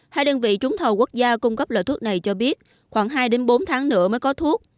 hai đơn vị trúng thầu quốc gia cung cấp loại thuốc này cho biết khoảng hai bốn tháng nữa mới có thuốc